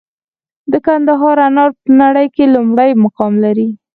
د کندهار انار په نړۍ کې لومړی مقام لري.